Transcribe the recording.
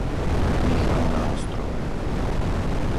Michal na Ostrove